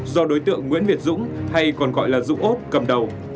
do đối tượng nguyễn việt dũng hay còn gọi là dũng út cầm đầu